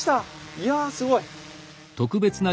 いやすごい！